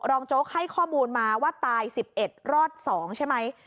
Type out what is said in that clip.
โจ๊กให้ข้อมูลมาว่าตาย๑๑รอด๒ใช่ไหม